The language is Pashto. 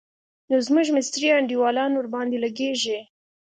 نو زموږ مستري انډيوالان ورباندې لګېږي.